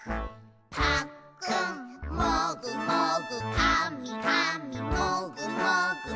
「ぱっくんもぐもぐ」「かみかみもぐもぐ」